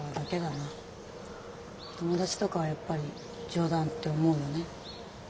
友達とかはやっぱり冗談って思うよね。